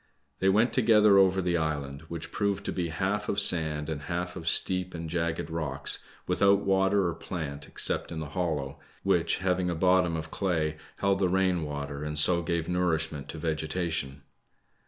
They went together over the island, which proved to be half of sand and half of steep and jagged rocks, without water or plant except in this hollow, which, having a bottom of clay, held the rain water, and so gave nourishment to ^getation.